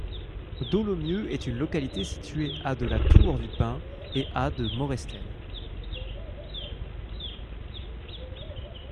Dolomieu est une localité située à de La Tour-du-Pin et à de Morestel.